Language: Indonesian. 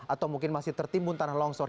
atau mungkin masih tertimbun tanah longsor